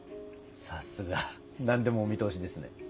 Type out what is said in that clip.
さすが。何でもお見通しですね。